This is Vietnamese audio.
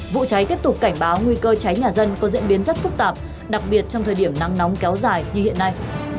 vụ cháy tiếp tục cảnh báo nguy cơ cháy nhà dân có diễn biến rất phức tạp đặc biệt trong thời điểm nắng nóng kéo dài như hiện nay